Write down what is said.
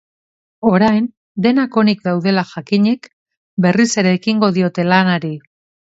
Orain, denak onik daudela jakinik, berriz ere ekingo diote lanari.